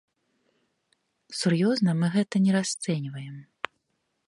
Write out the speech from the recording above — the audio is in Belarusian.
Сур'ёзна мы гэта не расцэньваем.